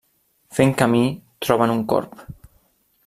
Fent camí, troben un corb.